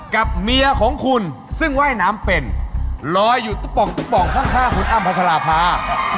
กับเมียของคุณซึ่งว่ายน้ำเป็นลอยอยู่ตุ๊ป่องตุ๊ป่องข้างคุณอ้ำพัชราภา